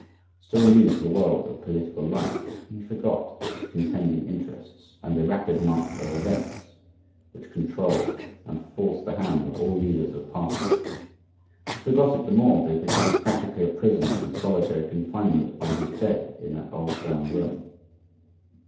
Still new to the world of political life, he forgot its contending interests and the rapid march of events which control and force the hand of all leaders of parties; he forgot it the more because he was practically a prisoner in solitary confinement on his bed in that old brown room.